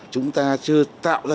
chúng ta chưa tạo ra